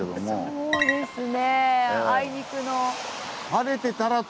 そうですね？